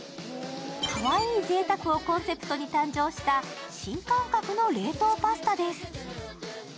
かわいいぜいたくをコンセプトに誕生した新感覚の冷凍パスタです。